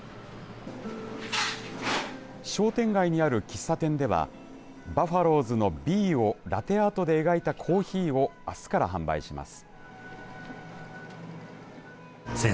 商店街にある喫茶店ではバファローズのＢをラテアートで描いたコーヒーをあすから販売します。